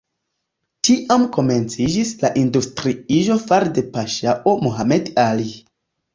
Tiam komenciĝis la industriiĝo fare de paŝao Mohamed Ali.